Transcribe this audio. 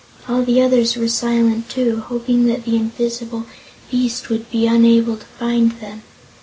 All the others were silent, too, hoping that the invisible beast would be unable to find them.